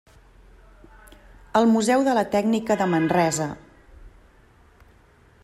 El Museu de la Tècnica de Manresa.